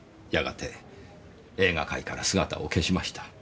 やがて映画界から姿を消しました。